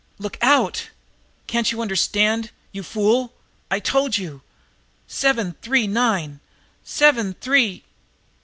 "Look out! Can't you understand, you fool! I've told you! Seven three nine! Seven three..."